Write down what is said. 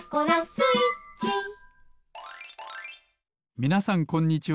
みなさんこんにちは。